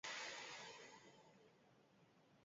Bada ordea, borda hitzaren beste aldaera bat.